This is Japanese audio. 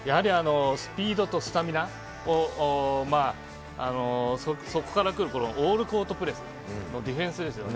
スピードとスタミナ、そこからくるオールコートプレス、ディフェンスですよね。